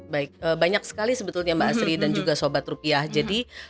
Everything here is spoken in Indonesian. baik banyak sekali sebetulnya mbak asri dan juga sobat rupiah